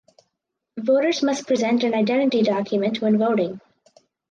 Voters must present an identity document when voting.